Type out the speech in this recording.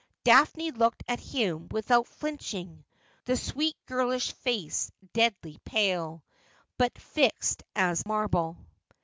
Daphne looked at him without flinching, the sweet girlish face deadly pale, but fixed as marble.